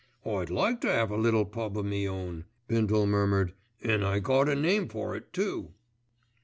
"I'd like to 'ave a little pub. o' me own," Bindle murmured, "an' I got a name for it too."